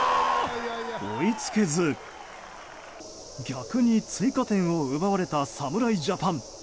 追いつけず、逆に追加点を奪われた侍ジャパン。